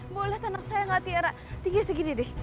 boleh anak saya gak tiara tinggi segini